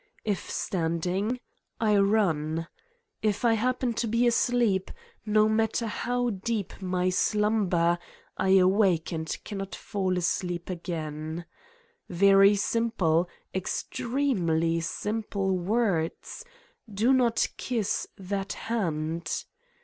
If standing, I run. If I happen to be asleep, no mat ter how deep my slumber, I awake and cannot fall asleep again. Very simple, extremely simple words: Do not kiss that hand!